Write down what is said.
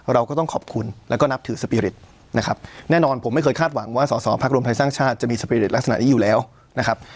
เราก็ต้องขอบคุณแล้วก็นับถือสปีริตนะครับแน่นอนผมไม่เคยคาดหวังว่าสอสอพักรวมไทยสร้างชาติจะมีสปีริตลักษณะนี้อยู่แล้วนะครับ